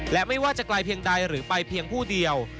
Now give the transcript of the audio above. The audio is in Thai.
และไม่ว่าจะไกลเพียงใดหรือไปเพียงผู้เดียว